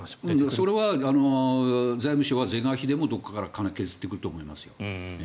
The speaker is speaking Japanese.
それは財務省は是が非でもどこからか削ってくると思いますよ。